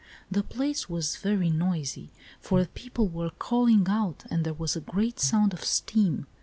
The place was very noisy, for people were calling out, and there was a great sound of steam.